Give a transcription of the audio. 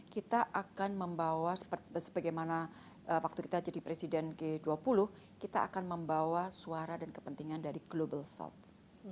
kita akan membawa sebagaimana waktu kita jadi presiden g dua puluh kita akan membawa suara dan kepentingan dari global south